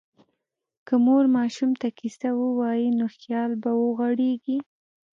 که مور ماشوم ته کیسه ووایي، نو خیال به وغوړېږي.